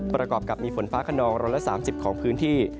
ประกอบกับมีฝนฟ้าขนอง๑๓๐ของพื้นที่